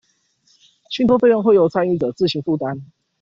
信託費用會由參與者自行負擔